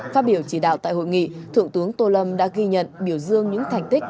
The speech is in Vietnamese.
phát biểu chỉ đạo tại hội nghị thượng tướng tô lâm đã ghi nhận biểu dương những thành tích